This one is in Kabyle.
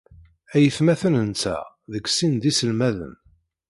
Aytmaten-nteɣ deg sin d iselmaden.